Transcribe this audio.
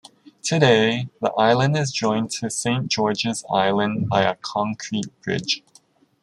Today, the island is joined to Saint George's Island by a concrete bridge.